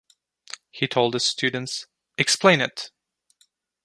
He told his students: Explain it!